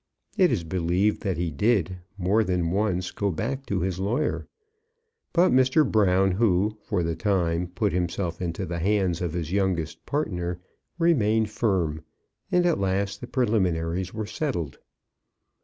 It is believed that he did, more than once, go back to his lawyer. But Mr. Brown, who, for the time, put himself into the hands of his youngest partner, remained firm, and at last the preliminaries were settled.